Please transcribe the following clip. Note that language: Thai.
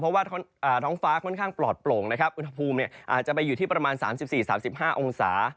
เพราะว่าท้องฟ้าค่อนข้างปลอดโปร่งนะครับอุณหภูมิอาจจะไปอยู่ที่ประมาณ๓๔๓๕องศา